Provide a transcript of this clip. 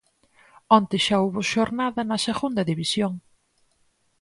Onte xa houbo xornada na Segunda División.